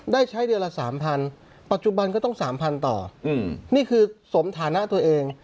ได้ใช้เดือนละสามพันปัจจุบันก็ต้องสามพันต่ออืมนี่คือสมฐานะตัวเอง